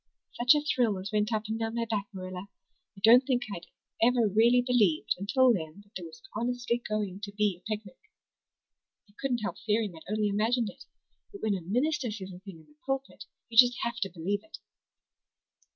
"Such a thrill as went up and down my back, Marilla! I don't think I'd ever really believed until then that there was honestly going to be a picnic. I couldn't help fearing I'd only imagined it. But when a minister says a thing in the pulpit you just have to believe it."